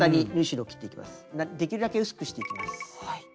できるだけ薄くしていきます。